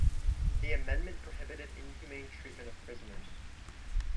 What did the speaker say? The amendment prohibited inhumane treatment of prisoners.